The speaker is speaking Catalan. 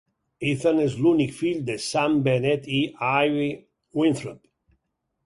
Ethan és l'únic fill de Sam Bennett i Ivy Winthrop.